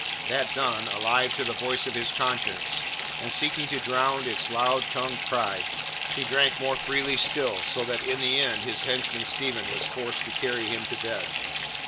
That done, alive to the voice of his conscience, and seeking to drown its loud tongued cry, he drank more freely still, so that in the end his henchman, Stephen, was forced to carry him to bed.